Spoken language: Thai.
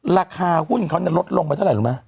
ราคาหุ้นเขาเนี่ยลดลงไปเท่าไหร่รู้มั้น